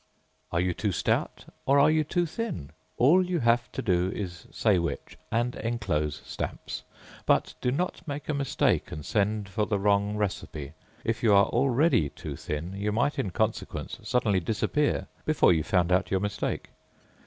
Are you too stout, or are you too thin? All you have to do is to say which, and enclose stamps. But do not make a mistake and send for the wrong recipe. If you are already too thin, you might in consequence suddenly disappear before you found out your mistake.